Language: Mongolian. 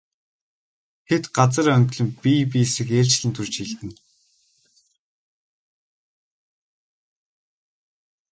Тэд газар онгилон бие биесийг ээлжлэн түрж элдэнэ.